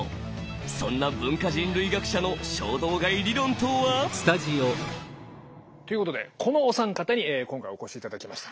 そんな文化人類学者の衝動買い理論とは？ということでこのお三方に今回お越しいただきました。